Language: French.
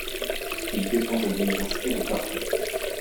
Il dépend de l'université de Tartu.